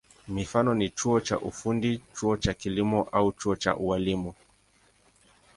Mifano ni chuo cha ufundi, chuo cha kilimo au chuo cha ualimu.